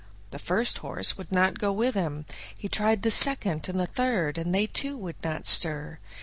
The first horse would not go with him; he tried the second and third, and they too would not stir.